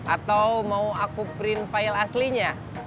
atau mau aku print file aslinya